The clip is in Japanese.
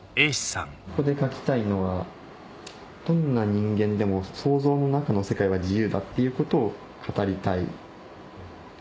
ここで描きたいのはどんな人間でも想像の中の世界は自由だっていうことを語りたい。